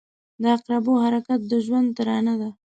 • د عقربو حرکت د ژوند ترانه ده.